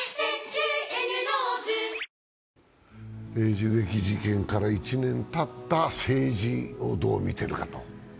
銃撃事件から１年たった政治をどう見ているか。